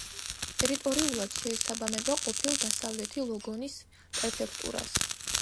ტერიტორიულად შეესაბამება ყოფილ დასავლეთი ლოგონის პრეფექტურას.